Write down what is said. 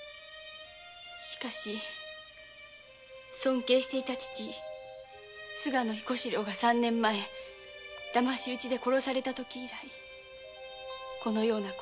しかし尊敬していた父菅野彦四郎が３年前ダマシ討ちで殺された時以来この様な子に。